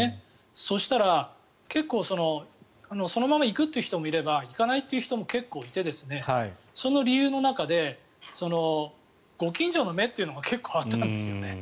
そしたら、結構そのまま行くという人もいれば行かないという人も結構いてその理由の中でご近所の目というのが結構あったんですよね。